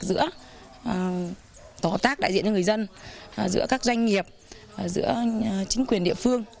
giữa tổ hợp tác đại diện cho người dân giữa các doanh nghiệp giữa chính quyền địa phương